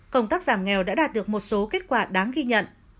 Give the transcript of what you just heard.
công tác giảm nghèo đã đạt được một số kết quả đáng ghi nhận